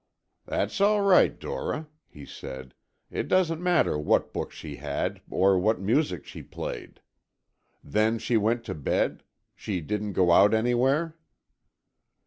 "That's all right, Dora," he said, "it doesn't matter what book she had or what music she played. Then she went to bed? She didn't go out anywhere?"